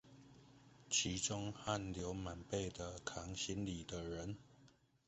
其中汗流滿背地扛行李的人